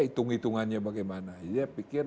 hitung hitungannya bagaimana ya pikir